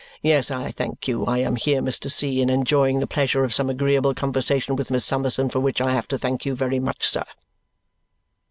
Yes, I thank you; I am here, Mr. C., and enjoying the pleasure of some agreeable conversation with Miss Summerson, for which I have to thank you very much, sir!"